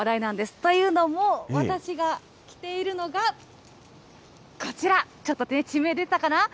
というのも、私が来ているのが、こちら、ちょっと地名出たかな？